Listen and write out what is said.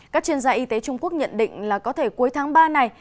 các chuyên gia y tế trung quốc nhận định là có thể cuối tháng ba này